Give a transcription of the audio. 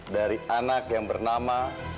dari anak yang bernama